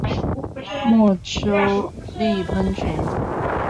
墨丘利喷泉。